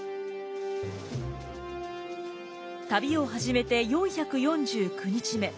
旅を始めて４４９日目。